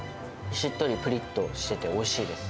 しっとりぷりっとしてておいしいです。